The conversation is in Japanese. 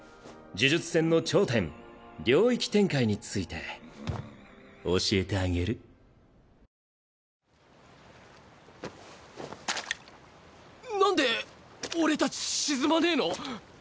呪術戦の頂点領域展開について教えてあげるなんで俺たち沈まねぇの？